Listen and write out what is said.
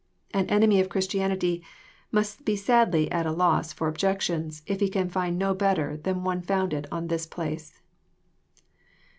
Ah enemy of Christianity must be sadly at a loss for objections, if he can find no better than one founded on this place.